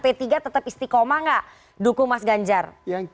p tiga tetap istikomah nggak dukung mas ganjar